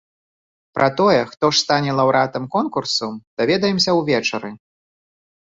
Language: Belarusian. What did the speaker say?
Пра тое, хто ж стане лаўрэатам конкурсу, даведаемся ўвечары.